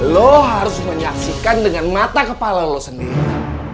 lo harus menyaksikan dengan mata kepala lo sendiri